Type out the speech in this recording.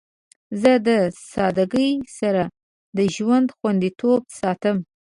زه د سادگی سره د ژوند خوندیتوب ساتم.